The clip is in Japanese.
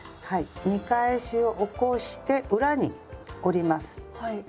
見返しを起こして裏に折ります。